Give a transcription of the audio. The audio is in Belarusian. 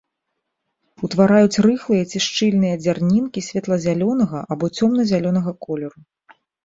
Утвараюць рыхлыя ці шчыльныя дзярнінкі светла-зялёнага або цёмна-зялёнага колеру.